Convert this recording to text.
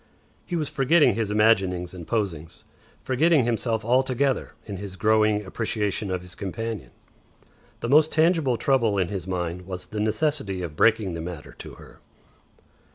He was forgetting his imaginings and posings, forgetting himself altogether in his growing appreciation of his companion. The most tangible trouble in his mind was the necessity of breaking the matter to her.